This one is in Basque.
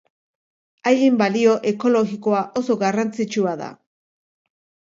Haien balio ekologikoa oso garrantzitsua da.